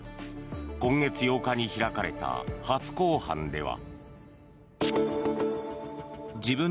今月８日に開かれた初公判では。